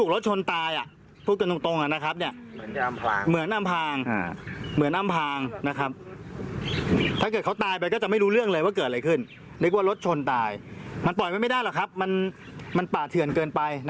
และนี่เด็ก๑๖เอง